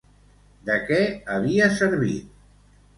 De què havia servit?